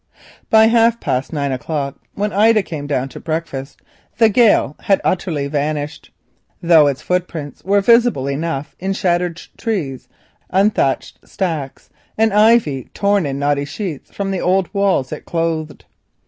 By half past nine o'clock, when Ida came down to breakfast, the gale had utterly gone, though its footprints were visible enough in shattered trees, unthatched stacks, and ivy torn in knotty sheets from the old walls it clothed.